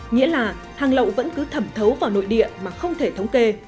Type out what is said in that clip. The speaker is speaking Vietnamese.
nghĩa là hàng lậu vẫn cứ thẩm thấu vào nội địa mà không thể thống kê